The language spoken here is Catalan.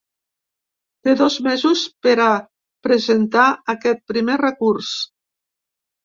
Té dos mesos per a presentar aquest primer recurs.